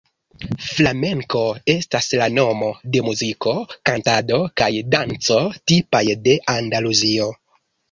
Flamenko estas la nomo de muziko, kantado kaj danco tipaj de Andaluzio.